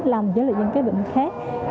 làm với những bệnh khác